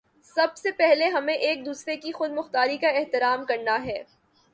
سب سے پہلے ہمیں ایک دوسرے کی خود مختاری کا احترام کرنا ہے۔